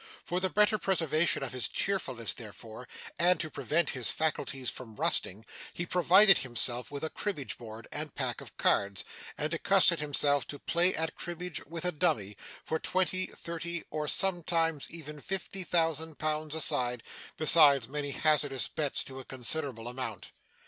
For the better preservation of his cheerfulness therefore, and to prevent his faculties from rusting, he provided himself with a cribbage board and pack of cards, and accustomed himself to play at cribbage with a dummy, for twenty, thirty, or sometimes even fifty thousand pounds aside, besides many hazardous bets to a considerable amount.